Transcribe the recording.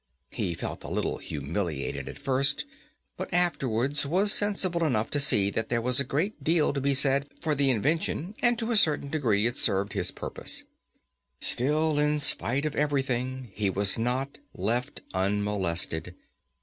He felt a little humiliated at first, but afterwards was sensible enough to see that there was a great deal to be said for the invention, and, to a certain degree, it served his purpose. Still in spite of everything he was not left unmolested.